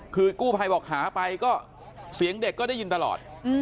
คือกู้ภัยบอกหาไปก็เสียงเด็กก็ได้ยินตลอด